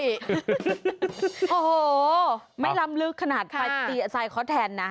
โอ้โหไม่ลำลึกขนาดไปตีอาศัยเขาแทนนะ